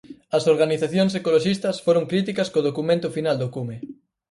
As organizacións ecoloxistas foron críticas co documento final do cume.